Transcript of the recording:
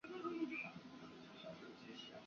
利沃夫是乌克兰民族文化的中心都市。